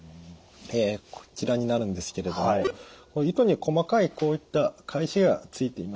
こちらになるんですけれども糸に細かいこういった返しがついています。